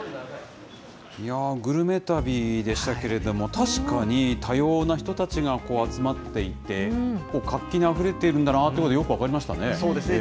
いやー、グルメ旅でしたけれども、確かに多様な人たちが集まっていて、活気にあふれているんだなということがよく分かりましそうですね。